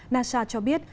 nasa cho biết